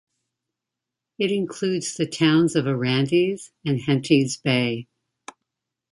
It includes the towns of Arandis and Henties Bay.